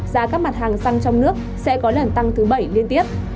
giá các mặt hàng xăng trong nước sẽ có lần tăng thứ bảy liên tiếp